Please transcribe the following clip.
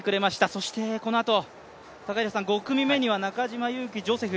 それからこのあと５組目には中島佑気ジョセフ。